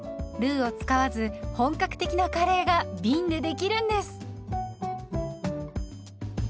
ルウを使わず本格的なカレーがびんでできるんです！